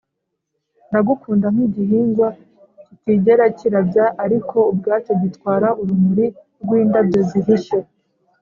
ndagukunda nk'igihingwa kitigera kirabya, ariko ubwacyo gitwara urumuri rwindabyo zihishe.